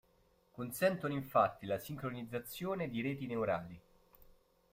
Consentono infatti la sincronizzazione di reti neurali.